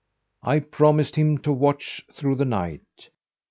I promised him to watch through the night.